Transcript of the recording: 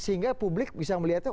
sehingga publik bisa melihatnya